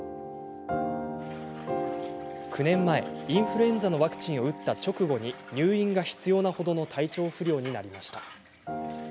９年前、インフルエンザのワクチンを打った直後に入院が必要なほどの体調不良になりました。